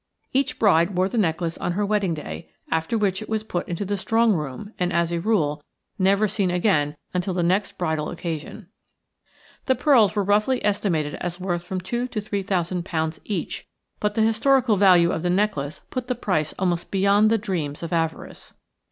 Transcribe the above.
Each bride wore the necklace on her wedding day, after which it was put into the strong room and, as a rule, never seen again until the next bridal occasion. The pearls were roughly estimated as worth from two to three thousand pounds each, but the historical value of the necklace put the price almost beyond the dreams of avarice.